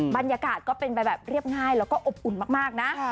บรรยากาศก็เป็นไปแบบเรียบง่ายแล้วก็อบอุ่นมากนะ